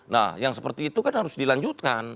nah yang seperti itu kan harus dilanjutkan